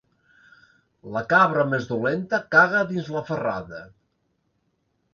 La cabra més dolenta caga dins la ferrada.